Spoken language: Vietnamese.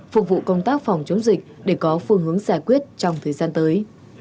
phục vụ công tác phòng chống dịch để có phương hướng giải quyết trong thời gian tới